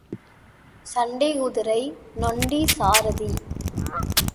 சண்டிக் குதிரை நொண்டிச் சாரதி.